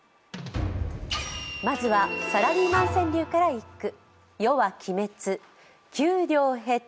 まずはサラリーマン川柳から一句。